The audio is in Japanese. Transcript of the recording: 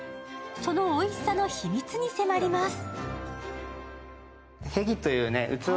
そのおいしさの秘密に迫ります。